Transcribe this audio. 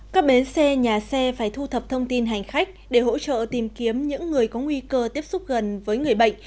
các bến xe nhà xe phải thu thập thông tin hành khách để hỗ trợ tìm kiếm những người có nguy cơ tiếp xúc gần với người bệnh